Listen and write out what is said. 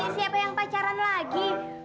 siapa yang pacaran lagi